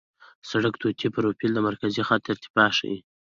د سړک طولي پروفیل د مرکزي خط ارتفاع ښيي